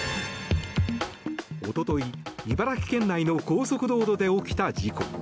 おととい、茨城県内の高速道路で起きた事故。